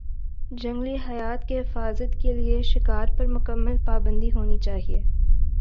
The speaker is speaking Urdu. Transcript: جنگلی حیات کی حفاظت کے لیے شکار پر مکمل پابندی ہونی چاہیے